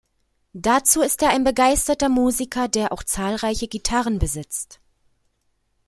Dazu ist er ein begeisterter Musiker, der auch zahlreiche Gitarren besitzt.